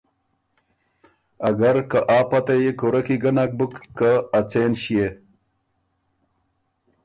اګر که آ پته يې کُورۀ کی ګۀ نک بُک که ا څېن ݭيې؟